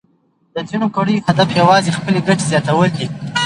د ځینو کړیو هدف یوازې خپلې ګټې زیاتول دي.